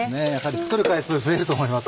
作る回数増えると思います。